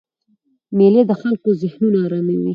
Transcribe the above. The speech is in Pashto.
مېلې د خلکو ذهنونه آراموي.